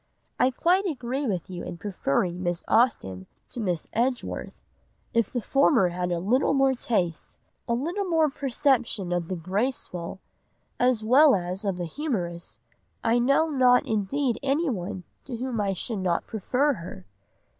I quite agree with you in preferring Miss Austen to Miss Edgeworth. If the former had a little more taste, a little more perception of the graceful, as well as of the humorous, I know not indeed anyone to whom I should not prefer her.